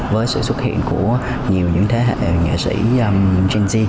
với sự xuất hiện của nhiều những thế hệ nghệ sĩ gen z